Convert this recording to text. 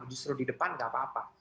justru di depan nggak apa apa